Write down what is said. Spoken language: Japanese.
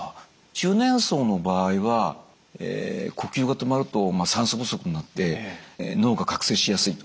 中年層の場合は呼吸が止まると酸素不足になって脳が覚醒しやすいと。